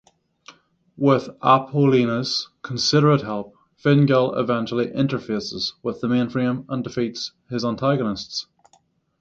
With Apollonia's considerable help, Fingal eventually "interfaces" with the mainframe and defeats his antagonists.